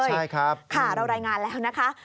ใช่ครับค่ะเรารายงานแล้วนะคะ